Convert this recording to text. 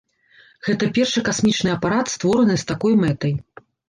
Гэта першы касмічны апарат, створаны з такой мэтай.